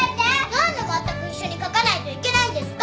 何でまったく一緒に書かないといけないんですか？